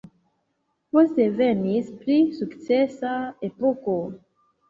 Poste venis pli sukcesa epoko.